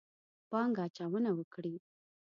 پانګه اچونه وکړي.